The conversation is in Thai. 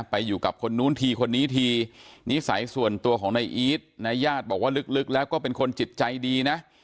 ไปอยู่กับคนนู้นทีคนนี้ทีนิสัยส่วนตัวของนายอีทในญาติบอกว่าลึกแล้วก็เป็นคนจิตใจดีนะ